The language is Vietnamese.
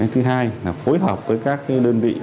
thứ hai là phối hợp với các đơn vị